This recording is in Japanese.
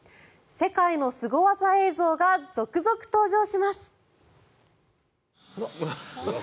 世界のすご技映像が続々登場します。